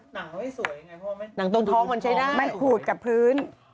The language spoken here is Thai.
หนาวไม่สวยไงเพราะว่าหนังตรงท้องมันใช้ได้มันขูดกับพื้น